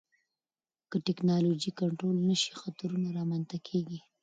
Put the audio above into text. که ټکنالوژي کنټرول نشي، خطرونه رامنځته کېږي.